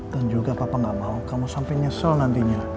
dan juga papa gak mau kamu sampe nyesel nantinya